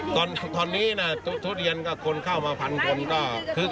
ตอนนี้ทุเรียนคนเข้ามา๑๐๐๐คน